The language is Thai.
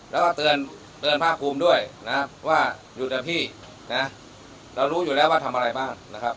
แล้วก็เตือนภาคภูมิด้วยนะว่าอยู่แต่พี่นะเรารู้อยู่แล้วว่าทำอะไรบ้างนะครับ